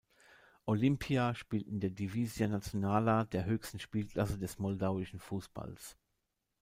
Olimpia spielt in der Divizia Națională, der höchsten Spielklasse des moldauischen Fußballs.